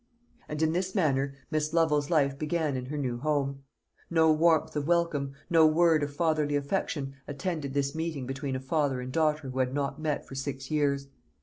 And in this manner Miss Lovel's life began in her new home. No warmth of welcome, no word of fatherly affection, attended this meeting between a father and daughter who had not met for six years.